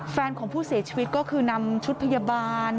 แฟนของผู้เสียชีวิตก็คือนำชุดพยาบาล